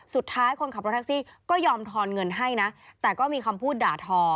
คนขับรถแท็กซี่ก็ยอมทอนเงินให้นะแต่ก็มีคำพูดด่าทอ